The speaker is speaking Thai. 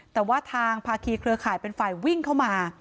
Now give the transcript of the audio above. แต่ว่าทางภาคีเครือข่ายเป็นฝ่ายวิ่งเข้ามา